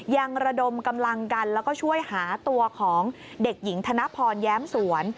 ระดมกำลังกันแล้วก็ช่วยหาตัวของเด็กหญิงธนพรแย้มสวน